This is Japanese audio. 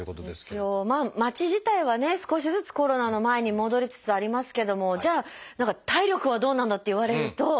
街自体はね少しずつコロナの前に戻りつつありますけどもじゃあ体力はどうなんだ？って言われると。